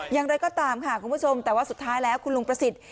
อย่างไรก็ตามค่ะคุณผู้ชมแต่ว่าสุดท้ายแล้วคุณลุงประสิทธิ์